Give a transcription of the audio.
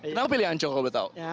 kenapa pilih ancol kalau boleh tahu